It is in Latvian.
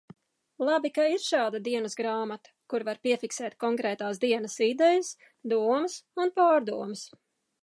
Labi, ka ir šāda dienasgrāmata, kur var piefiksēt konkrētās dienas idejas, domas un pārdomas.